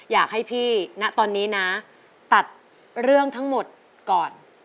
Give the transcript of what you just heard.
อยากให้พี่ณตอนนี้นะตัดเรื่องทั้งหมดก่อน